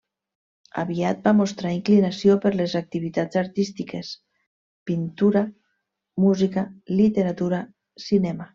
Aviat va mostrar inclinació per les activitats artístiques: pintura, música, literatura, cinema.